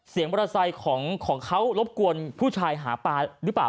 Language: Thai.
เสียงบริษัทของเขารบกวนผู้ชายหาปลาหรือเปล่า